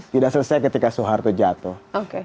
tidak selesai ketika soeharto jatuh